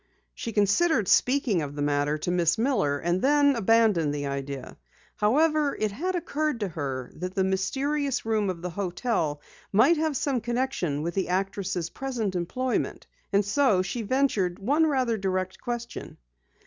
She considered speaking of the matter to Miss Miller, and then abandoned the idea. However, it had occurred to her that the mysterious room of the hotel might have some connection with the actress' present employment, and so she ventured one rather direct question.